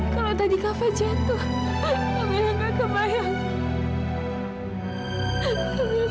kalau tadi kafa jatuh kamila gak kebayang